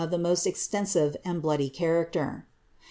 ie most extensive and blooily character.